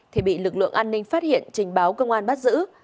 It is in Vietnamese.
thì bị lực lượng an ninh phát hiện trình báo công an bắt giữ